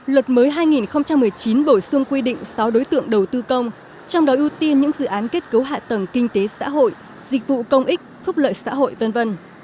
luật mới hai nghìn một mươi chín bổ sung quy định sáu đối tượng đầu tư công trong đó ưu tiên những dự án kết cấu hạ tầng kinh tế xã hội dịch vụ công ích phúc lợi xã hội v v